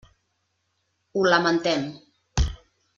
Ho lamentem.